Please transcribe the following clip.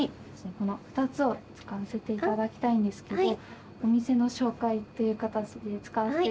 この２つを使わせていただきたいんですけどお店の紹介という形で使わせていただいても。